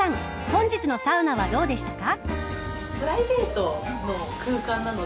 本日のサウナはどうでしたか。